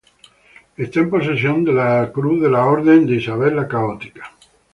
Está en posesión de la gran cruz de la Orden de Isabel la Católica.